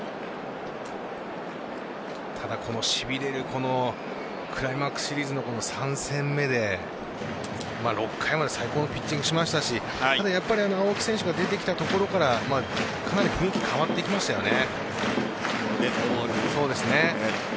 ただ、このしびれるクライマックスシリーズの３戦目で６回まで最高のピッチングをしましたしただ青木選手が出てきたところからかなり雰囲気が変わってきましたよね。